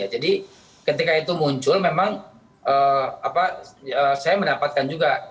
jadi ketika itu muncul memang saya mendapatkan juga